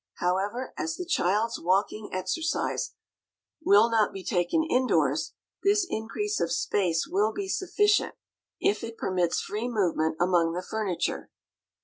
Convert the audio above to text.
However, as the child's walking exercise will not be taken indoors, this increase of space will be sufficient if it permits free movement among the furniture.